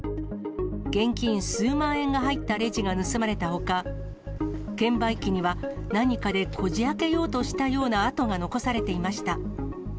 現金数万円が入ったレジが盗まれたほか、券売機には、何かでこじあけようとしたような跡が残されていました。